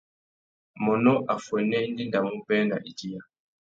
Mônô affuênê i ndéndamú being nà idiya.